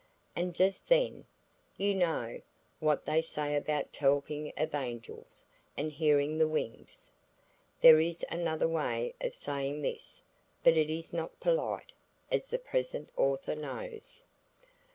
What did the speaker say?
And just then. .. You know what they say about talking of angels, and hearing their wings? (There is another way of saying this, but it is not polite, as the present author knows.)